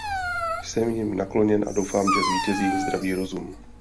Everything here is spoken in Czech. Jsem jim nakloněn a doufám, že zvítězí zdravý rozum.